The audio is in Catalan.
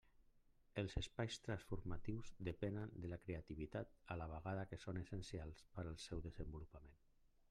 Els espais transformatius depenen de la creativitat a la vegada que són essencials per al seu desenvolupament.